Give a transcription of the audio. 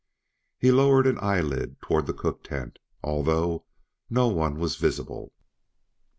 He lowered an eyelid toward the cook tent, although no one was visible.